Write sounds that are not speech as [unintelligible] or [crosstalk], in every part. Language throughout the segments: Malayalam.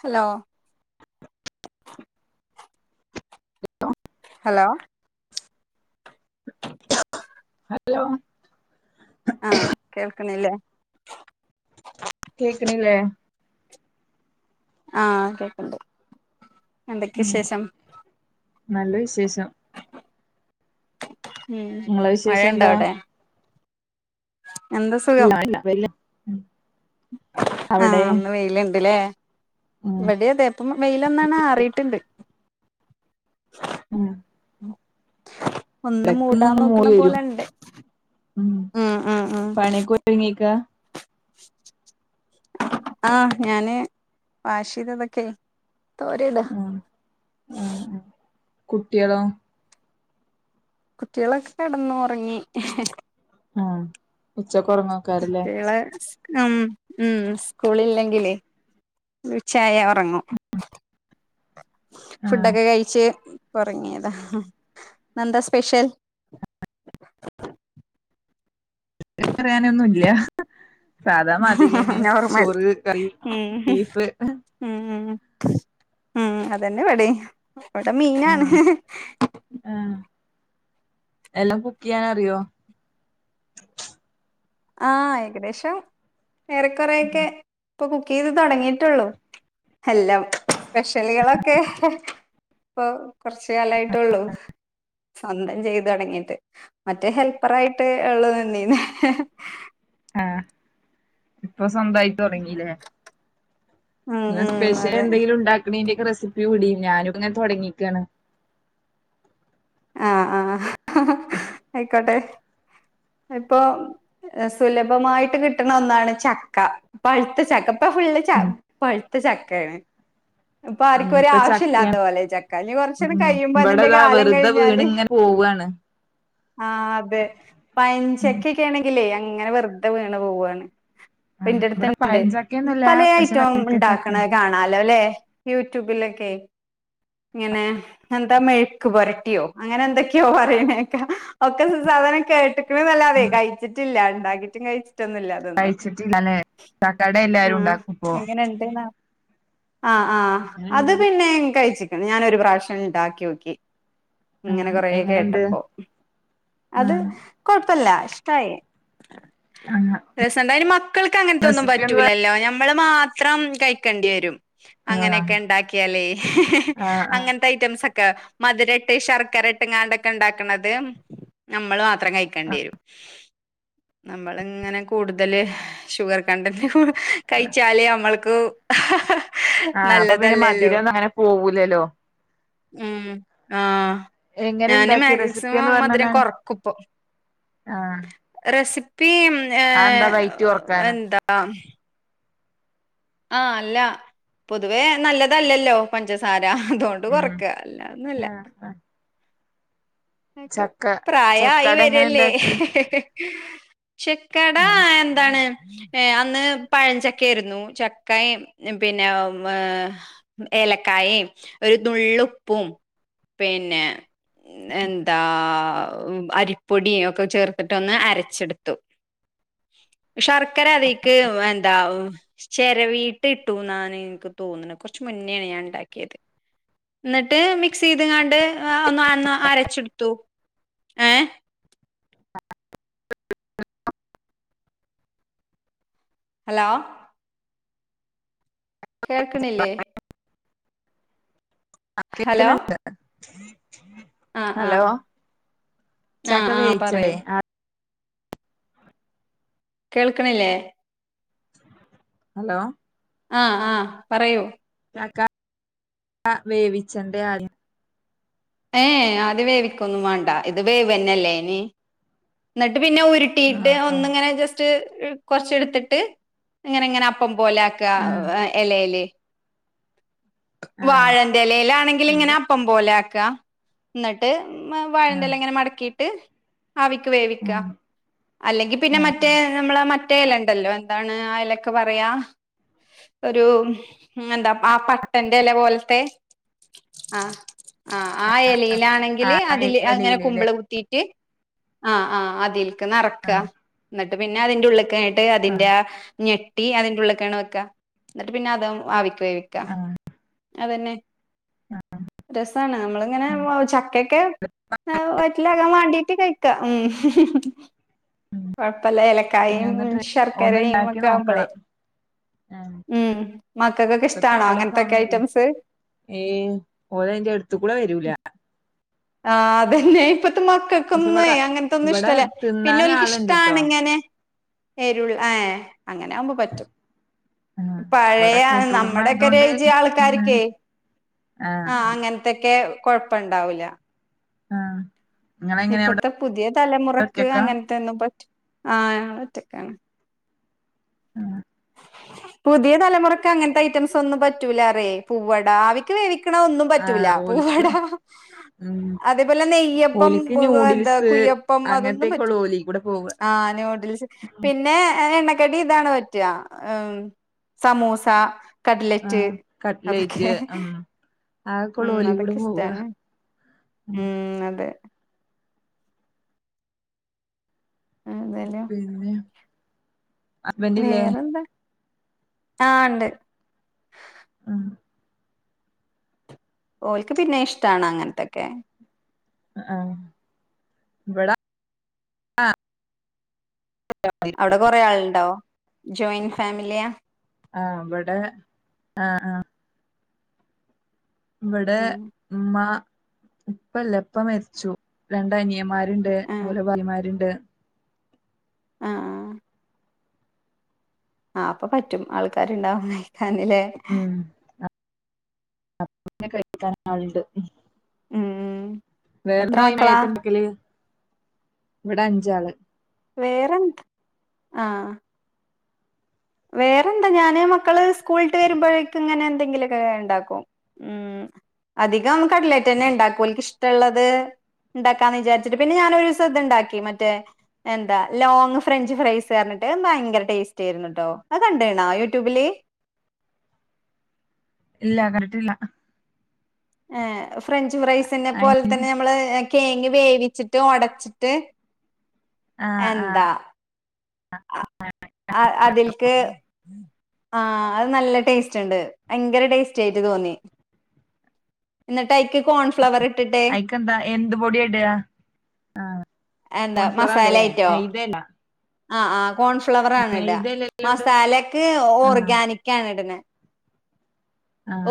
ഹലോ [unintelligible] ഹലോ [unintelligible] ഹലോ ആഹ് കേൾക്ക്ണില്ലേ കേക്ക്ണില്ലേ ആഹ് കേക്ക്ണ്ട് എന്തൊക്കെ ഉം വിശേഷം നല്ല വിശേഷം മ്മ് നിങ്ങളെ മഴ വിശേഷം ഒണ്ടോ എന്താ അവിടെ എന്ത് ഇല്ല സുഖം ഇല്ല വല്ല അവിടെ ആഹ് ഇന്ന് വെയിലിണ്ടല്ലേ ഉം ഇവിടെ അതെ ഇപ്പം വെയിലൊന്നണ ആറിയിട്ടുണ്ട് മ്മ് ഒന്ന് മൂടാൻ നോക്കണ മൂടി പോലെ വരും ഒണ്ട് ഉം മ്മ്-മ്മ്-മ്മ് പണിയൊക്കെ ഒരുങ്ങിക്കാ ആഹ് ഞാന് വാഷ് ചെയ്തതൊക്കെ തോരീടാ കുട്ടിയളോ കുട്ടികളൊക്കെ കെടന്നു ഒറങ്ങി ആഹ് ഉച്ചക്ക് ഒറങ്ങാൻ ഒക്കാറില്ലേ മ്മ് -മ്മ് സ്കൂളില്ലെങ്കിലേ ഉച്ചയായാ ഒറങ്ങും ആഹ് ഫുടൊക്കെ കഴിച്ച് ഇപ്പൊറങ്ങിയതാ ഹ് ഇന്നെന്താ സ്പെഷ്യൽ [inaudible] പറയാനൊന്നുല്ല സാധാമാതിരി ന്നെ നോർമൽ ചോറ് കറി ബീഫ് മ്മ് അതെന്നെ ഇവിടെ ഇവിടെ മീനാണ് ആഹ് ഹ് ഹ് ആഹ് എല്ലാം കുക്ക് ചെയ്യാൻ അറിയോ ആ ഏകദേശം ഏറെക്കൊറേയൊക്കെ ഇപ്പൊ കുക്ക് ചെയ്ത് തൊടങ്ങീട്ടൊള്ളു എല്ലാം സ്പെഷ്യളുകളൊക്കെ ഇപ്പൊ കൊറച്ച് കാലായിട്ടെ ഒള്ളൂ സ്വന്തം ചെയ്ത് തൊടങ്ങീട്ട് മറ്റേ ഹെൽപ്പറായിട്ട് ഉള്ളു നിന്നീന്നെ ആ ഇപ്പൊ സ്വന്തായി തൊടങ്ങീല്ലേ ഉം ന്നാ ഉം അതെ സ്‌പെഷ്യലെന്തെങ്കിലും ണ്ടാക്കണേന്റൊക്കെ റെസ് [unintelligible] വിടി ഞാനും ങ്ങനെ തൊടങ്ങീക്കാണ് ഹ് ഹ് അയ്ക്കോട്ടെ ആ ഇപ്പോം ഏ സുലഭമായിട്ട് കിട്ടണ ഒന്നാണ് ചക്ക പഴുത്ത ചക്ക ഇപ്പൊ ഫുള്ള് ച ഉം പഴു ത്ത ചക്കയാണ് ഇപ്പൊ ആർക്കും ഇപ്പൊ ഒരാവശ്യം ചക്കയാണ് ഇല്ലാത്തപോലെ ചക്ക ഇനി കൊറച്ചൂടെ കഴയുമ്പോ അതിന്റെ കാലം കഴി വീണ്ങ്ങനെ പോവാണ് ആ അതെ ഉം പയഞ്ചക്കക്കെ ആണെങ്കില് ങ്ങനെ വെർതെ വീണ് പോവാണ് പ്പ ആഹ് ഇവിടെ ഇന്റെട്ത്ത്ണ്ട് പഴഞ്ചക്കയൊന്നുല്ല പലേ പക്ഷെ അയ്റ്റോം ഇണ്ടാക്ക്ണെ വരിക്കച്ചക്കയാണ് കാണാലോ ലെ ഏ ങ്ങനെ എന്താ മെഴുക്കുപുരട്ടി അങ്ങനെ എന്തൊക്കെയോ പറയണെ കേക്ക ഒക്കെ സ് സാധനം കേട്ട്ക്ക്ണ് ന്നല്ലാതെ കയിച്ചിട്ടില്ല [unintelligible] കയ്ച്ചിട്ടില്ല ലെ ആ [unintelligible] എങ്ങനെയുണ്ട് ആ ആ അത് പിന്നെ കയിച്ചി ഞാനൊരു പ്രാഷ്യം ഇണ്ടാക്ക്യോക്കി ങ്ങനെ ആഹ് കൊറേ എങ്ങനെണ്ട് കേട്ടപ്പോ അത് ആഹ് കൊ പ്പല്ല ഇഷ്‌ടായി ആഹ് രസണ്ടോ അയിന് മക്കൾക്ക് അങ്ങനെത്തൊന്നും റെസിപ്പി ഒന്ന് പറ പറ്റൂലല്ലോ ഞമ്മ് മ്മള് മാത്രം കഴിക്കണ്ടിവരും ആഹ് അങ്ങനെയെകെ ഇണ്ടാക്കിയാലെ ആഹ് ആഹ് അങ്ങനത്തെ ഐറ്റ ക്ക മധുരാട്ട് ശർക്കരട്ട് ഇങ്ങാണ്ടൊക്കെ ഇണ്ടാക്കുണത് നമ്മള് മാത്രം കഴിക്കേണ്ടിവരും നമ്മളിങ്ങനെ കൂടുതല് ഷുഗർ കണ്ടന്റ കഴിച്ചാലേ നമ്മൾ ക്ക് ഹ ഹ ആ അപ്പ പിന്നെ മധുരം ഒന്നും അങ്ങനെ പോ ല്ലലോ മ് ആ എങ്ങനെ ഞാന് ഇണ്ടാക്കി റെസിപ്പി ഒന്ന് മാക്സിമം മധുരം പറഞ്ഞന്നാണി കൊറ ആഹ് രസി [unintelligible] അതെന്താ വയറ്റി ഒറക്കാനോ എന്താ ആ അല്ല പൊതുവേ നല്ലതല്ലല്ലോ പഞ്ചസാര ആതൊണ്ട് ഉം കൊറക്കാ അല്ലാതൊന്നുല്ല ആഹ് ആഹ് അക്ക ചക്ക പ്രായായി ചക്കട എങ്ങനെ വരല്ലേ ഇണ്ടാക്കി ചെക്കടാ ആഹ് എന്താണ് ഏ അന്ന് പഴഞ്ചക്കായിരുന്നു ചക്കയിം പിന്നെ ഏ ഏലക്കായേം ഒരു നുള്ളുപ്പും പിന്നെ ഉം, എന്താ അരിപ്പൊടിയൊക്കെ ചേർത്തിട്ടൊന്ന് അരച്ചെടുത്തു ശർക്കര അതിക്ക് എന്താ ചിരവിട്ട് ഇട്ടുന്നാണ് എനക്ക് തോന്നുന്നത് കുറച്ച മുന്നേണ് ഞാൻ ണ്ടാക്കിയത് എന്നിട്ട് മിക്സ് ചെയ്ത്ങ്ങാണ്ട് ഒന്ന് അന്ന് അരച്ചെടുത്തു ഏ [inaudible] ഹലോ കേൾക്ക്ണില്ലേ ഹലോ കേൾക്കുന്നുണ്ട് ആ ആ ഹലോ ആ ചക്ക ആ പറയൂ വേവിച്ചടെ ആ കേൾക്കണില്ലേ ഹലോ ആ ആ പറയൂ ചക്ക വേവിച്ചൻ്റെ അരു എ അത് വേവിക്കൊന്നും വേണ്ട ഇത് വേവന്നല്ലേ അയിന് ന്നട്ട് പിന്നെ ഉരുട്ടിട്ട് ആഹ് ആഹ് ഒന്നിങ്ങനെ ജസ്‌റ്റ് കുറച്ച് എടുത്തിട്ട് ഇങ്ങനെ ഇങ്ങനെ അപ്പം പോലെയാക്ക ആഹ് ഇലയില് ആഹ് വാഴൻ്റയില ആണെങ്കിൽ ഉണ്ട് ഇങ്ങനെ അപ്പം പോലെ ആക് ക്ക ന്നട്ട് ആഹ് [inaudible] മടക്കീട്ട് ആവിക്ക് വേവിക്ക ആഹ് അല്ലെങ്കിൽ പിന്നെ ആഹ് മറ്റേ ആഹ് നമ്മടെ മറ്റേ ല ണ്ടല്ലോ എന്താണ് ആ എലയ്ക്ക് പറയാ ഒരു എന്താ പട്ടൻ്റെ ഇല പോലത്തെ ആ ഇലയിൽ ആണെങ്കിൽ ആ അതില് ഇങ്ങനെ എലയില് ല്ലേ കുമ്പിൾ കുത്തിയിട്ട് ആ ആ അതിൽ ആഹ് നിറയ്ക്ക പിന്നെ അതിൻ്റെ ഉള്ളിക്കേ ആഹ് അതിൻ്റെ നെട്ട് ടീ അതിൻ്റെ ഉള്ളിലേക്കാണോ വെയ്ക്ക അന്നിട്ട് പിന്നെ അത് [inaudible] വേവിക്ക ആഹ് അതന്നെ രസാണ് നമ്മൾ ഇങ്ങനെ ചക്കക്കെ വയറ്റിലാക്കാൻ വേണ്ടിട്ട് കഴിക്കും. ഉം കൊഴപ്പമില്ല ഇനി ഏലക്കായ്യും ഒന്ന് ട്രൈ ഒന്ന് ശർക്കരയും ഇണ്ടാക്കി ഒക്കെ ആവുമ്പോളേ നോക്കണം ആഹ് ഉം മക്കക്കക്ക ഇപ്പ ഇഷ്‌ടാണോ ചക്കടെ അങ്ങനത്തക്ക സമയല്ലേ ഐറ്റംസ്. ഏയ് ഓല് അയിന്റെ അടുത്തുകൂടെ വരൂല ആ അതന്നെ മക്കൾക്ക് പക്ഷെ ഇവിടെ ഒന്നുംഎ അങ്ങനത്തൊന്നും ഇവിടെ ഇഷ്ടമല്ല പിന്നെ തിന്നാൻ ഓല്ക്ക് ആളുണ്ട്ട്ടോ ഷ്‌ടാണ് ഇങ്ങനെ [unintelligible] അങ്ങനെ ആവുമ്പോ പറ്റും. ആഹ് ഇവിടെ പഴയ കൂട്ടുകുടുംബം നമ്മുടെ ഒക്കെ ആയതുകൊണ്ട് ഏജ് ആൾക്കാർക്കെ തിന്നാന് ആഹ് ആ ആഹ് അങ്ങനത്തെയൊക്കെ കൊഴപ്പണ്ടാവൂല ആ ഇപ്പത്തെ പുതിയ തലമുറക്ക് അങ്ങനത്തെ ഒന്നും പ ആആ ഒറ്റക്കാണ് ങാ പുതിയ തലമുറക്ക് അങ്ങനത്ത ഐറ്റംസ് ഒന്നും പറ്റൂല്ലാറെ. പൂവട ക്കണ ഒന്നും പറ്റൂല്ല. ആഹ് ഓല്ക്ക് പൂവടാ ഉം അതേപോലെ നെയ്യപ്പം ഓലിക്ക് എന്താ ന്യൂഡിൽസ് കുയ്യപ്പം അതൊന്നും അങ്ങനത്തേക്കുള്ള പറ്റൂല ഓലി കൂടെ പോവ ആ നൂഡ്ൽസ് പിന്നെ എ കെടി ഇതാണ് പറ്റ് റ്റ്ആ ഉം സമോസ ആ കട്‌ലറ്റ് അതൊക്കെ കട്ട്ലേറ്റ് ഉം ആക്കൊള്ള ഉം ഓലി കൂടെ അതൊക്കെ പോവ ഇഷ്ടാണ് ഉം അതെ അതല്ലോ പിന്നെ ഹസ്ബൻഡില്ലേ വേറെന്താ ആ ണ്ട് ആ ഓൾക്ക് പിന്നെം ഇഷ്ടാണ് അങ്ങനത്തൊക്കെ. ആ ഇവട ആ. അവിടെ കൊറെേ ആൾണ്ടാവോ ജോയിന്റ് ഫാമിലിയാ. ആ അവിടെ ആ ആ. ഇവിടെ ഉം ഉമ്മാ ഇപ്പല്ല ഇപ്പ മരിച്ചു രണ്ട് അനിയമാര്. രുണ്ട് ആഹ് ഓര ഭാര്യമാരുണ്ട്. ആഹ് ആഹ്. ആ അപ്പൊ പറ്റും ആൾക്കാരുണ്ടാവുന്നേ. തന്നിലേ അപ്പൊപ്പിന്നെ കഴിക്കാൻ ആള്ണ്ട്. ഉം. എത്ര വേറെന്താ ഈ മക്കളാ മയത്തിണ്ട്ക്കല്. ഇവിടെ അഞ്ചാള്. വേറെന്ത് ആ. വേറെന്താ ഞാന് മക്കള് സ്കൂളിട്ട് വരുമ്പോഴേക്കും ഇങ്ങനെ എന്തെങ്കിലൊക്കെ ഇണ്ടാക്കും. ഉം അധികം കടലേറ്റ് ന്നെ ണ്ടാക്കും ഓൾക്ക് ഇഷ്ടള്ളത് ണ്ടാക്കാന്ന് വിചാരിച്ചിട്ട് പിന്നെ ഞാന് ഒരൂസം ഇത് ണ്ടാക്കി മറ്റേ എന്താ ലോങ്ങ് ഫ്രഞ്ച് ഫ്രൈസ് കഞ്ഞിട്ട് ഭയങ്കര ടേസ്റ്റ് ആയിരുന്നു ട്ടോ. അത് കണ്ടേണാ യൂട്യൂബില്. ഇല്ല കറക്റ്റ് ഇല്ല. ആഹ്. ഫ്രഞ്ച് ഫ്രൈസിനെ പോലെ തന്നെ ഞമ്മള് തേങ്ങ വേവിച്ചിട്ട് ഒടച്ചിട്ട് ആ ആ എന്താ. ആഹ് അത് നല്ല ടേസ്റ്റ് ഇണ്ട് ഭയങ്കര ടേസ്റ്റ് ആയിട്ട് തോന്നി ന്നിട്ട് അഴിക്ക് അയിക്കന്താ എന്ത് പൊടിയാട എന്താ കോൺഫ്ലവറാട ലെ മൈദ അല്ലാ ആഹ് ആഹ് കോൺഫ്ലവറാണ് ഇടാ ഇട മസാലക്ക് ആഹ് ഓർഗാനിക്കാണ് ഇട്ണെ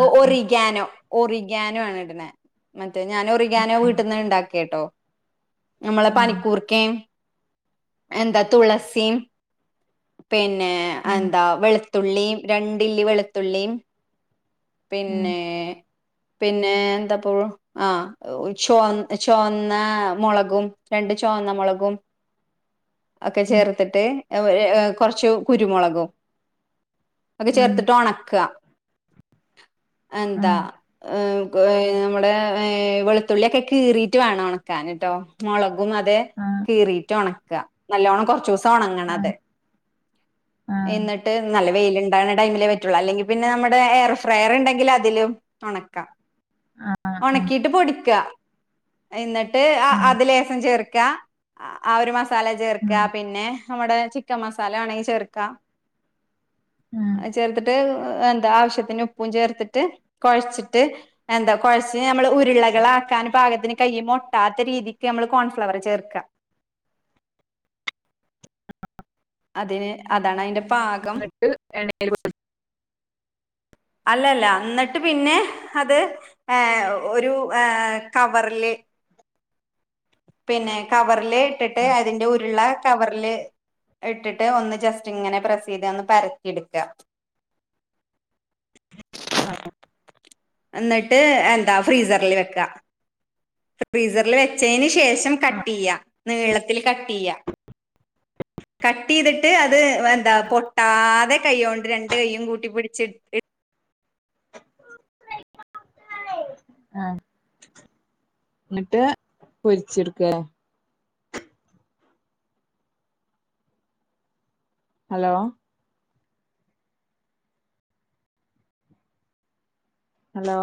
ഓ ആഹ് ഒറിഗാനോ ഒറിഗാനു ആണ് ഇടണെ മ അത് ഞാനൊറിഗാനോ ആഹ് വീട്ടീന്ന് ഉണ്ടാക്കിയട്ടോ നമ്മളെ ആഹ് പനിക്കൂർക്കിം എന്താ തുളസിം പിന്നെ ഉം എന്താ വെള് തുള്ളി രണ്ടില്ലി വെളുത്തുള്ളി ഉം പിന്നെ പിന്നെ എന്താപ്പോ ആ ചുവ ചുവന്ന മുളകും രണ്ട് ചുവന്ന മുളകും ഒക്കെ ഉം ചേർത്ത്ട്ട് കുറച്ച് കുരുമുളകും ഒക്കെ ഉം ചേർത്തിട്ട് ഒണക്ക [inaudible] എന്താ ഉം ഹ്മ്. ക് ഹ് നമ്മുടെ ഹ് വെളുത്തുള്യോക്കെ കീറീട്ട് വേണം ഒണക്കാൻട്ടോ മൊളക്. ഉം അതെ ആഹ് കീറീട്ട് ഒണക്ക്അ. നല്ലോണം കൊറച്ചൂസ തൊണങ്ങണം ആഹ് അതെ ആഹ് എന്നിട്ട് നല്ല വൈലുണ്ടാണ് ടൈമില് പറ്റുള്ളൂ അല്ലെങ്കിൽ പിന്നെ നമ്മടെ എയർ ട്രയർ ഇണ്ടെങ്കിൽ അതിലും ഒണക്കാ. ആഹ് ആഹ് ഒണക്കീട്ട് പൊടിക്ക. അയിന്ന്ട്ട് ട്ട് ആ ആഹ് അത്ലേസം ചേർ ക്കാ ആ ഒരു മാസം. തല ചേർക്ക ഉം പിന്നെ. നമ്മുടെ ചിക്കൻ മസാല ആണെങ്കിൽ ചേർക്കാ. ഉം അഹ് ചേർത്ട്ട്. ഹ് എന്താ ആവശ്യത്തിന്. പ്പും ചേർത്തിട്ട് കൊയച്ചിട്ട് എന്താ കൊയച് ഞമ്മള് ഉ ഇള്ളകളാക്കാൻ പാകത്തിന് കൈമെ താത്തരീതിക്ക് അമ്മള് കോൺഫ്ലവറ് ചേർക്ക. അതിന് അതാണയിൻ്റെ എന്നിട്ട് എണ്ണേല് പൊരി അല്ല അല്ല എന്നിട്ട് പിന്നെ അത് ഏ ഒരു ഏ കവറില് പിന്നെ കവറില് ഇട്ടിട്ട് അതിൻ്റെ ഉരുള കവറില് ഇട്ടിട്ട് ഒന്ന് ജസ്റ്റിങ്ങനെ പ്രസ്സീത്ഒന്ന് പരത്തി ഇട്ക്ക. ഉം എന്നിട്ട് എന്താ ഫ്രീസറില് വെക്കാ. ഫ്രീസറില് വെച്ചേന് ശേഷം കട്ടിയ്യാ നീളത്തില് കട്ടിയ്യ. കട്ടീതിട്ട് അത് വന്താ പൊട്ടാതെ കൈയ്യോണ്ട് രണ്ട് കൈയ്യും കൂട്ടി പിടിച്ച് ഇ ആഹ് ന്നിട്ട് പൊരിച്ചെടുക്ക അ ഹലോ? ഹലോ?